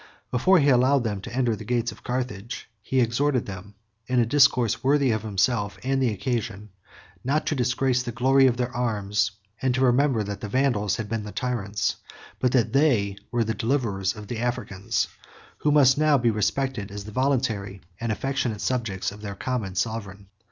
Before he allowed them to enter the gates of Carthage, he exhorted them, in a discourse worthy of himself and the occasion, not to disgrace the glory of their arms; and to remember that the Vandals had been the tyrants, but that they were the deliverers, of the Africans, who must now be respected as the voluntary and affectionate subjects of their common sovereign.